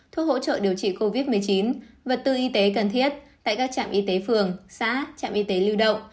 thuốc hỗ trợ điều trị covid một mươi chín vật tư y tế cần thiết tại các trạm y tế phường xã trạm y tế lưu động